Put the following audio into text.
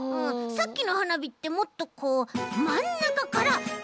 さっきのはなびってもっとこうまんなかからドカンって！